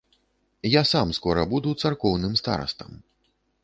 Я сам скора буду царкоўным старастам.